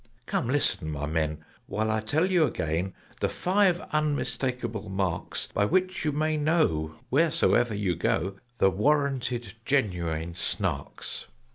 "Come, listen, my men, while I tell you again The five unmistakable marks By which you may know, wheresoever you go, The warranted genuine Snarks.